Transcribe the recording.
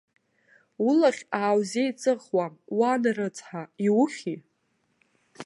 Улахь ааузеиҵыхуам, уан рыцҳа, иухьи?